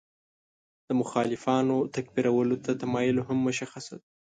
د مخالفانو تکفیرولو ته تمایل مهم مشخصه ده.